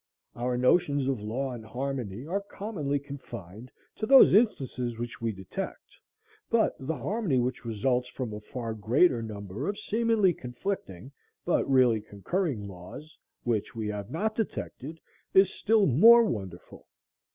Our notions of law and harmony are commonly confined to those instances which we detect; but the harmony which results from a far greater number of seemingly conflicting, but really concurring, laws, which we have not detected, is still more wonderful.